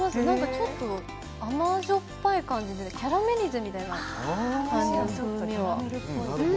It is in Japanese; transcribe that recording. ちょっと甘じょっぱい感じでキャラメリゼみたいな感じがする。